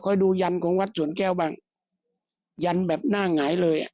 ก็เป็นเรื่องของความศรัทธาเป็นการสร้างขวัญและกำลังใจ